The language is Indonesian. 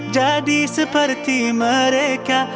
jadi seperti mereka